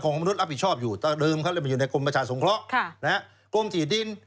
ก็คือตรงนี้